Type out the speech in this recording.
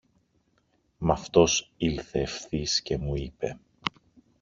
Μ' αυτός ήλθε ευθύς και μου είπε